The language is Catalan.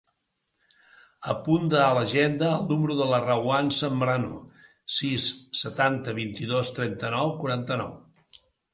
Apunta a l'agenda el número de la Rawan Zambrano: sis, setanta, vint-i-dos, trenta-nou, quaranta-nou.